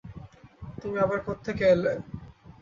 তুমি আবার কোত্থেকে এলে?